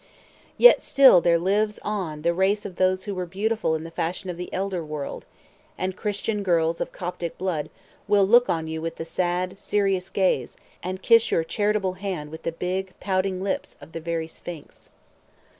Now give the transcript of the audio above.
Yet still there lives on the race of those who were beautiful in the fashion of the elder world, and Christian girls of Coptic blood will look on you with the sad, serious gaze, and kiss you your charitable hand with the big pouting lips of the very Sphinx.